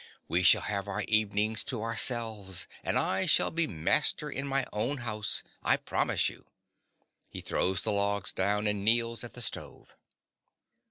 We shall have our evenings to ourselves; and I shall be master in my own house, I promise you. (_He throws the logs down and kneels at the stove.